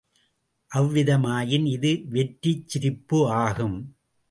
அவ்விதமாயின் இது வெற்றிச் சிரிப்பு ஆகும்.